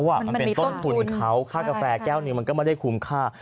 มันเป็นต้นทุนเขาค่ากาแฟแก้วหนึ่งมันก็ไม่ได้คุ้มค่า